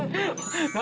何？